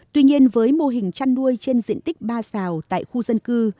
tuy nhiên với mô hình chăn nuôi trên diện tích ba xào tại khu dân cư